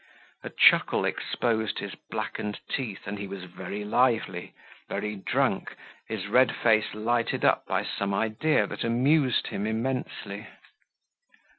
A chuckle exposed his blackened teeth and he was very lively, very drunk, his red face lighted up by some idea that amused him immensely.